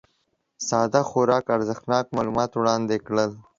ساده خورا ارزښتناک معلومات وړاندي کړل